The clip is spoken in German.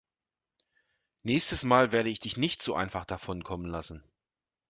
Nächstes Mal werde ich dich nicht so einfach davonkommen lassen.